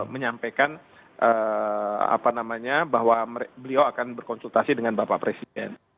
menyampaikan bahwa beliau akan berkonsultasi dengan bapak presiden